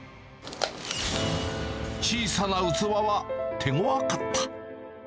小さな器は手ごわかった。